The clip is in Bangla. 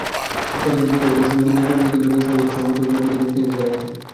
গতকাল বহিরাগতরা সমিতির নিয়ন্ত্রণ নিতে গেলে সভাপতি-সম্পাদকের পক্ষ নিয়ে তিনি সেখানে গেছেন।